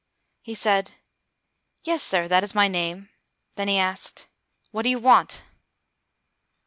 He said, "Yes, sir, that is my name." Then he asked, "What do you want?"